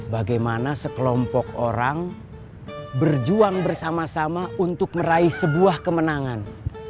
bagaimana sekelompok orang berjuang bersama sama untuk meraih sebuah kemenangan